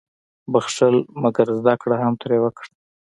• بخښل، مګر زده کړه هم ترې وکړه.